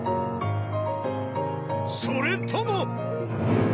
［それとも！］